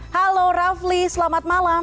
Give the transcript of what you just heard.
halo rafli selamat malam